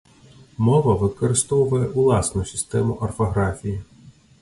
Мова выкарыстоўвае ўласную сістэму арфаграфіі.